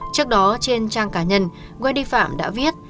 trước đó trên trang cá nhân wendy phạm đã viết